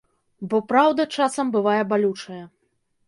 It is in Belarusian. Бо праўда часам бывае балючая.